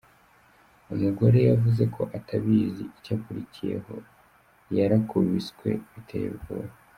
Umugore yavuze ko atabizi, icyakurikiyeho yarakubiswe biteye ubwoba.